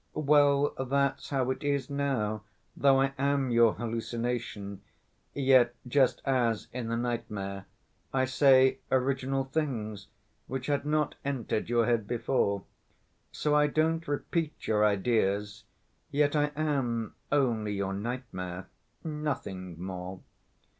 Well, that's how it is now, though I am your hallucination, yet just as in a nightmare, I say original things which had not entered your head before. So I don't repeat your ideas, yet I am only your nightmare, nothing more."